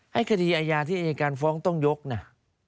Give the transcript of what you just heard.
ให้คดีอาญาที่อายการฟ้องต้องยกนะ